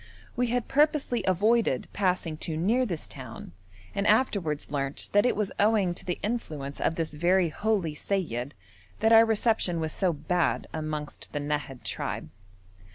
We had purposely avoided passing too near this town, and afterwards learnt that it was owing to the influence of this very holy seyyid that our reception was so bad amongst the Nahad tribe.